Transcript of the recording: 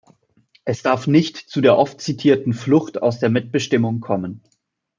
Es darf nicht zu der oft zitierten Flucht aus der Mitbestimmung kommen.